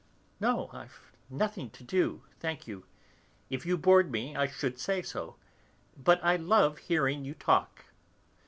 "No, I've nothing to do, thank you. If you bored me I should say so. But I love hearing you talk."